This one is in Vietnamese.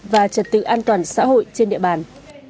và trật tự an toàn xã hội trên địa bàn